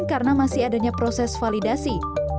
karena masih adanya proses validasi